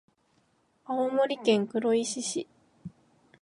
青森県黒石市